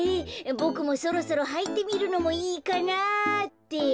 ボクもそろそろはいてみるのもいいかなあって。